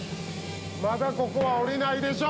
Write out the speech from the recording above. まだここは下りないでしょ